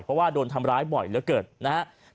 เพราะว่าโดนทำร้ายบ่อยแล้วเกิดนะฮะ